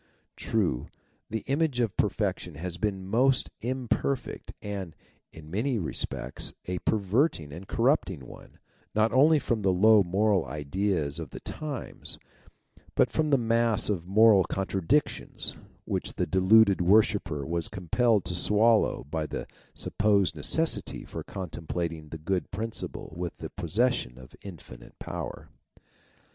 True, the image of perfection has been a most imperfect, and, in many respects a perverting and corrupting one, not only from the low moral ideas of the times, but from the mass of moral contradictions which the deluded worshipper was compelled to swallow by the sup posed necessity of complimenting the Good Principle with the possession of infinite power.